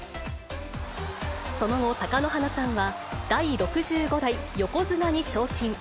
その後、貴乃花さんは、第６５代横綱に昇進。